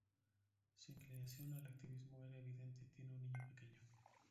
Su inclinación al activismo era evidente tiene un niño pequeño.